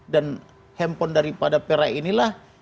dan handphone daripada pera inilah